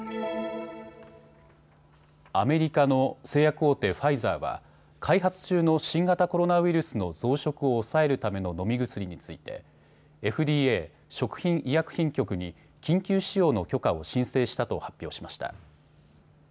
アメリカの製薬大手、ファイザーは開発中の新型コロナウイルスの増殖を抑えるための飲み薬についてＦＤＡ・食品医薬品局に緊急使用の許可を申請したと発表しました。